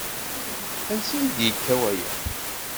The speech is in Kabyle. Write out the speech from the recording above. Ansa i d-yekka waya?